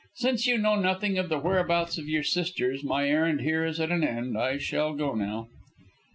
Since you know nothing of the whereabouts of your sisters, my errand here is at an end. I shall go now."